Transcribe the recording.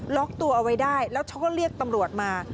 ล็อกตัวเอาไว้ได้แล้วเขาก็เรียกตำรวจมา